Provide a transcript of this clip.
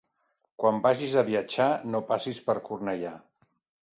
Quan vagis a viatjar, no passis per Cornellà.